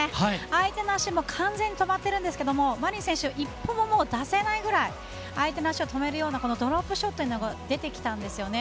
相手の足完全に止まっているんですがマリン選手１歩も出せないぐらい相手の足を止めるようなドロップショットが出てきたんですよね。